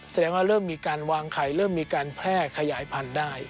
แสดงว่าเริ่มมีการวางไข่เริ่มมีการแพร่ขยายพันธุ์ได้